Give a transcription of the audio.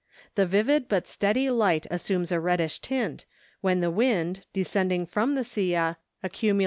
The vivid but steady light assumes a reddish tint, when the wind, descending from the Silla, accumulates I T' 'V' IT* K: :i ■OH.